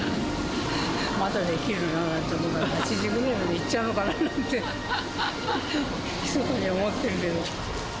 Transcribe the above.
まだできるなって、８０ぐらいまでいっちゃうのかな？なんて、ひそかに思ってるけど。